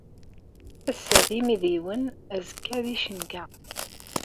Ass-a d imidiwen, azekka d icenga.